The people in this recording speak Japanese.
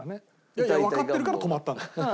いやいやわかってるから止まったんだよ。